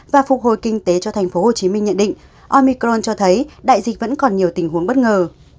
và phục hồi kinh tế cho tp hcm nhận định omicron cho thấy đại dịch vẫn còn nhiều tình huống bất ngờ